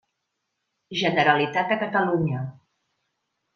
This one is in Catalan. Generalitat de Catalunya.